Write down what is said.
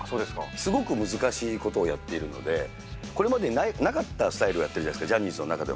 すごく難しいことをやっているので、これまでになかったスタイルをやっているじゃないですか、ジャニーズの中でも。